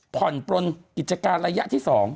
ผ่อนปลนกิจการระยะที่๒